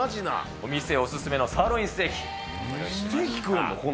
お店お勧めのサーロインステステーキ食えるの？